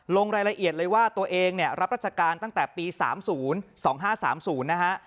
ลงรายละเอียดเลยว่าตัวเองเนี่ยรับราชการตั้งแต่ปี๓๐๒๕๓๐นะฮะ